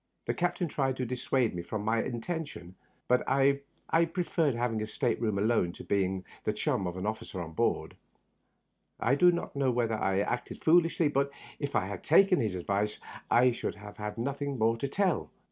The captain tried to dissuade me from my intention, but I preferred having a state room alone to being the chum of any oflBcer on board. I do not know whether I acted foolishly, but if I had taken his advice I should have had nothing more to tell.